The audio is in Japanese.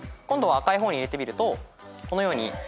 今度は赤い方に入れてみるとこのように。